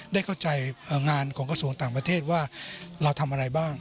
ได้เข้าใจงานของกระทรวงต่างประเทศว่าเราทำอะไรบ้าง